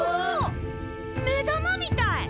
目玉みたい！